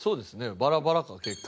バラバラか結構。